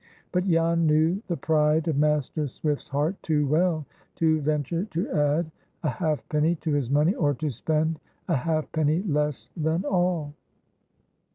But Jan knew the pride of Master Swift's heart too well to venture to add a half penny to his money, or to spend a half penny less than all.